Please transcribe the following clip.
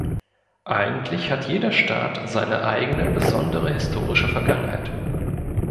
Eigentlich hat jeder Staat seine eigene besondere historische Vergangenheit.